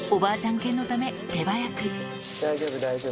犬のため手早く大丈夫大丈夫。